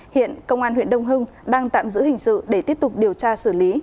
hiện công an huyện đông hưng đang tạm giữ hình sự để tiếp tục điều tra xử lý